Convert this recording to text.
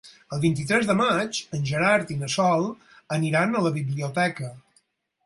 El vint-i-tres de maig en Gerard i na Sol aniran a la biblioteca.